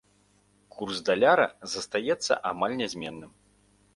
Курс даляра застаецца амаль нязменным.